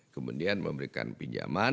kemudian memberikan pinjaman